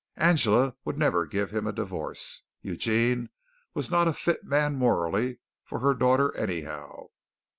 Angela would never give him a divorce. Eugene was not a fit man morally for her daughter, anyhow.